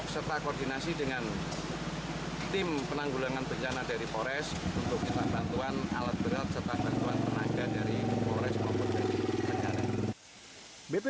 serta koordinasi dengan tim penanggulangan bencana dari polres untuk minta bantuan alat berat serta bantuan tenaga dari polres bogor